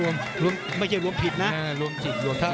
ไม่ใช่รวมผิดนะ